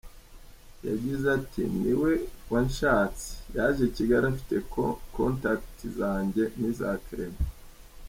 Yagize ati “Ni we wanshatse, yaje i Kigali afite contacts zanjye n’iza Clement.